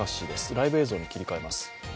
ライブ映像に切り替えます。